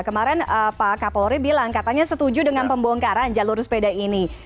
kemarin pak kapolri bilang katanya setuju dengan pembongkaran jalur sepeda ini